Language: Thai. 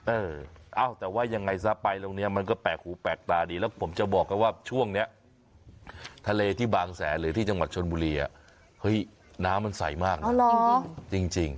เออเอ้าแต่ว่ายังไงซะไปตรงนี้มันก็แปลกหูแปลกตาดีแล้วผมจะบอกกันว่าช่วงนี้ทะเลที่บางแสนหรือที่จังหวัดชนบุรีเฮ้ยน้ำมันใสมากนะจริง